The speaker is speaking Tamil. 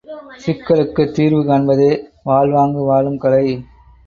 சிக்கலுக்குத் தீர்வுகாண்பதே வாழ்வாங்கு வாழும் கலை.